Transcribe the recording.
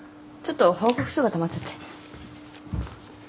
ちょっと報告書がたまっちゃって。